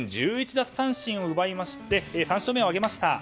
奪三振を奪いまして３勝目を挙げました。